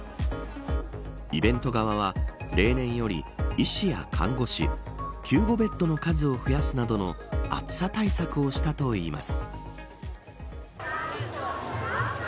イベント側は例年より医師や看護師救護ベッドの数を増やすなどの暑さ対策をしたといいます。